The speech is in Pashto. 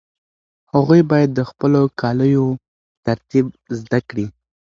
هغوی باید د خپلو کاليو ترتیب زده کړي.